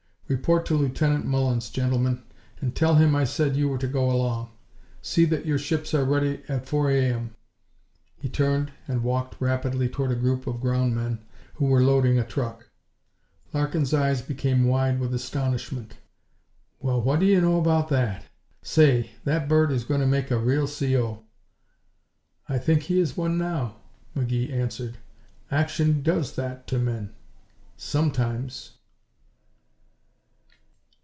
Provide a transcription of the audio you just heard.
Report to Lieutenant Mullins, gentlemen, and tell him I said you were to go along. See that your ships are ready at four a.m." He turned and walked rapidly toward a group of ground men who were loading a truck. Larkin's eyes became wide with astonishment. "Well what do you know about that! Say, that bird is going to make a real C.O." "I think he is one now," McGee answered. "Action does that to men sometimes."